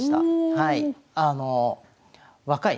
はい。